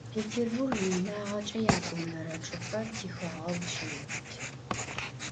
Pêtêrburg yiinağeç'e yat'onere çç'ıp'er tixeğegu şêubıtı.